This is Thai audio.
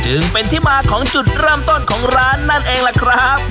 จึงเป็นที่มาของจุดเริ่มต้นของร้านนั่นเองล่ะครับ